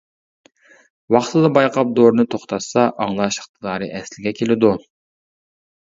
ۋاقتىدا بايقاپ دورىنى توختاتسا، ئاڭلاش ئىقتىدارى ئەسلىگە كېلىدۇ.